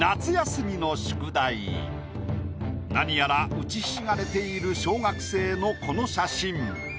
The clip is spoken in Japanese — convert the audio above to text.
何やら打ちひしがれている小学生のこの写真。